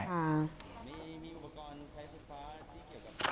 อ่า